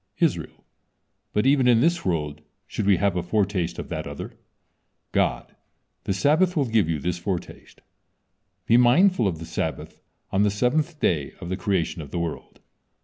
Israel: "But even in this world should we have a foretaste of that other." God: "The Sabbath will give you this foretaste. Be mindful of the Sabbath on the seventh day of the creation of the world."